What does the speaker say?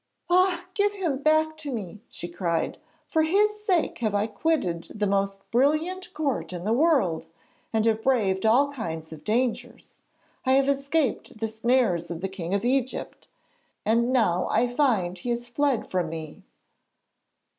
'Ah, give him back to me!' she cried; 'for his sake I have quitted the most brilliant court in the world, and have braved all kinds of dangers. I have escaped the snares of the King of Egypt and now I find he has fled from me.'